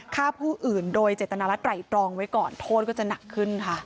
ฆ่าผู้อื่นโดยเจตนารัฐไรตรองไว้ก่อนโทษก็จะหนักขึ้นค่ะ